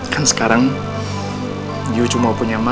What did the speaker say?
kan sekarang gio cuma punya mama